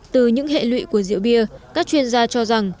từ những hệ lụy của rượu bia các chuyên gia cho rằng